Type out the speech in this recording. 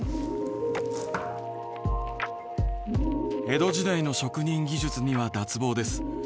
「江戸時代の職人技術には脱帽です。